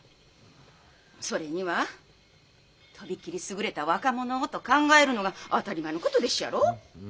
それには飛び切り優れた若者をと考えるのが当たり前のことでっしゃろう？